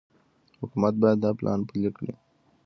حکومت باید دا پلان پلي کړي.